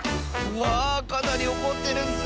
うわあかなりおこってるッス。